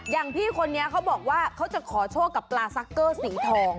อย่างพี่คนนี้เขาบอกว่าเขาจะขอโชคกับปลาซักเกอร์สีทอง